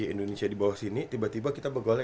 indonesia di bawah sini tiba tiba kita begolnya